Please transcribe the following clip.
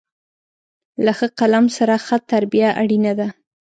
له ښه قلم سره، ښه تربیه اړینه ده.